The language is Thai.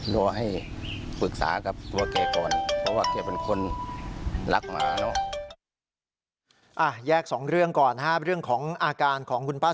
ดูว่าให้ปรึกษากับว่าเขาก่อน